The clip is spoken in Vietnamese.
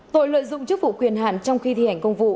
tội lợi dụng chức vụ quyền hạn trong khi thi hành công vụ